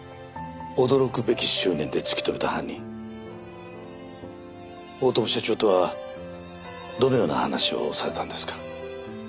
驚くべき執念で突き止めた犯人大友社長とはどのような話をされたんですか？